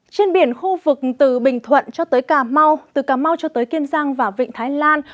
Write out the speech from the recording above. trên biển khu vực từ bình thuận cho tới cà mau từ cà mau cho tới kiên giang và vịnh thái lan